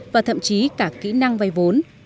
và thậm chí cả kỹ năng vay vốn